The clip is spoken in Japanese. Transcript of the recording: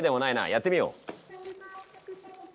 やってみよう。